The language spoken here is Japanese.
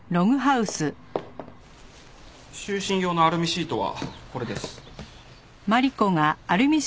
就寝用のアルミシートはこれです。